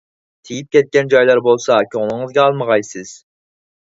تېگىپ كەتكەن جايلار بولسا كۆڭلىڭىزگە ئالمىغايسىز.